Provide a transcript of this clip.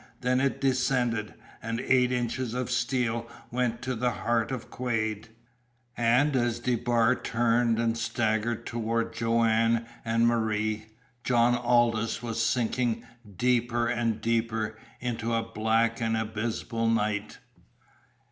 Then it descended, and eight inches of steel went to the heart of Quade. And as DeBar turned and staggered toward Joanne and Marie, John Aldous was sinking deeper and deeper into a black and abysmal night.